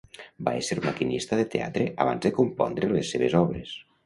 Va ésser maquinista de teatre abans de compondre les seves obres.